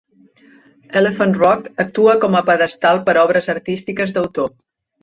Elephant Rock actua com a pedestal per a obres artístiques d'autor.